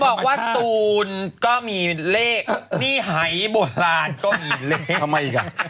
เอ้าเขาบอกว่าตูนก็มีเลขนีไฮโบราณก็มีเลข